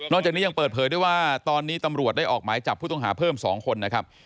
จากนี้ยังเปิดเผยด้วยว่าตอนนี้ตำรวจได้ออกหมายจับผู้ต้องหาเพิ่ม๒คนนะครับ